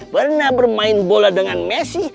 pernah bermain bola dengan messi